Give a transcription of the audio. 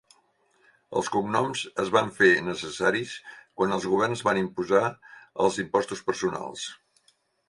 Els cognoms es van fer necessaris quan els governs van imposar els impostos personals.